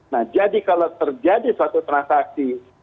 nah jadi kalau terjadi suatu transaksi